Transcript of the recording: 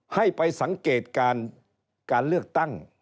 ให้ไปสังเกตการการเลือกตั้ง